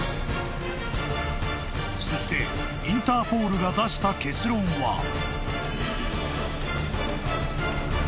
［そしてインターポールが出した結論は］